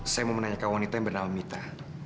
saya mau menanyakan wanita yang bernama mita